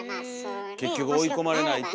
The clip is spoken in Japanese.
結局追い込まれないと。